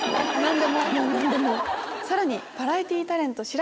さらにバラエティータレント